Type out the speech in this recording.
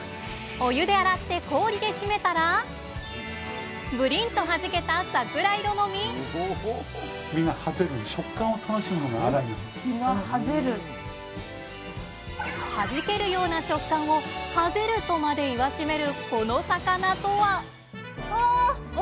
お湯で洗って氷で締めたらブリンとはじけたはじけるような食感を「爆ぜる」とまで言わしめるこの魚とは。